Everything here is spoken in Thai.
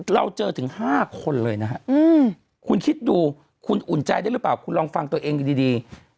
เราเจอถึง๕คนเลยนะฮะคุณคิดดูคุณอุ่นใจได้หรือเปล่าคุณลองฟังตัวเองดี